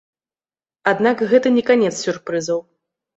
Аднак гэта не канец сюрпрызаў.